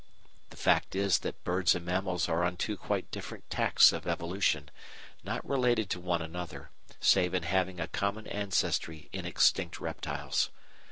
The fact is that birds and mammals are on two quite different tacks of evolution, not related to one another, save in having a common ancestry in extinct reptiles.